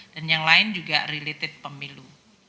dan yang lain juga related pemilu